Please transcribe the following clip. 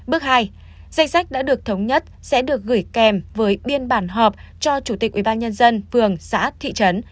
bước hai danh sách đã được thống nhất sẽ được gửi kèm với biên bản họp cho chủ tịch ubnd phường xã thị trấn